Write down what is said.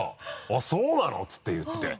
「あっそうなの？」って言って。